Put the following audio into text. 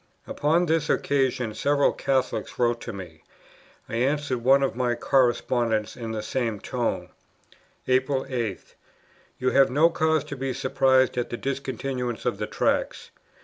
Upon this occasion several Catholics wrote to me; I answered one of my correspondents in the same tone: "April 8. You have no cause to be surprised at the discontinuance of the Tracts.